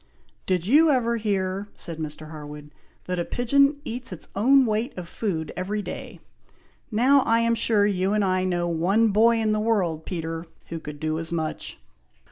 "Did you ever hear," said Mr. Harwood, "that a pigeon eats its own weight of food every day? Now, I am sure, you and I know one boy in the world, Peter, who could do as much."